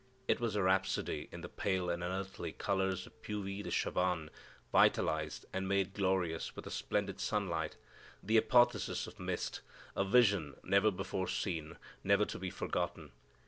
It was a rhapsody in the pale and unearthly colors of Puvis de Chavannes vitalized and made glorious with splendid sunlight; the apotheosis of mist; a vision never before seen, never to be forgotten.